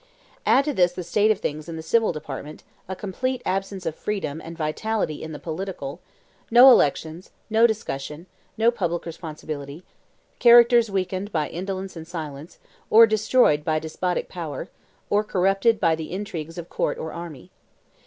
Add to this state of things in the civil department a complete absence of freedom and vitality in the political; no elections, no discussion, no public responsibility; characters weakened by indolence and silence, or destroyed by despotic power, or corrupted by the intrigues of court or army.